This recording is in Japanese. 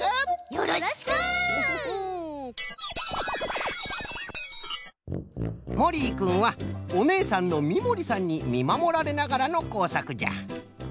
よろしく！もりいくんはおねえさんのみもりさんにみまもられながらのこうさくじゃ！